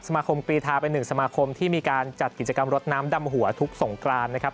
มาคมกรีธาเป็นหนึ่งสมาคมที่มีการจัดกิจกรรมรถน้ำดำหัวทุกสงกรานนะครับ